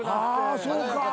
そうか。